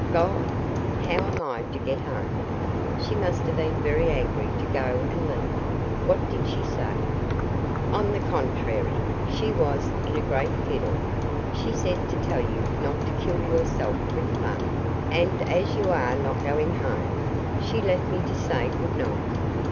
"Gone! How am I to get home? She must have been very angry to go and leave me. What did she say?" "On the contrary, she was in great fiddle. She said to tell you not to kill yourself with fun, and as you are not going home, she left me to say good night.